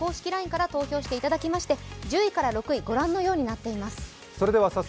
ＬＩＮＥから投票していただきまして、１０位から６位、ご覧のようになっています。